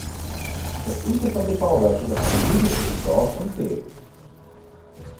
Das imposante Bauwerk steht auf einem Hügel zwischen Dorf und See.